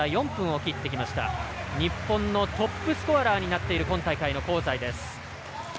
日本のトップスコアラーになっている今大会の香西です。